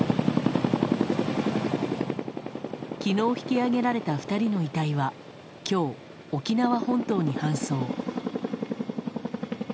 昨日、引き揚げられた２人の遺体は今日沖縄本島に搬送。